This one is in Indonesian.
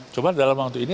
coba dalam waktu ini